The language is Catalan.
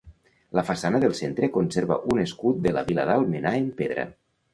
La façana del centre conserva un escut de la vila d'Almenar en pedra.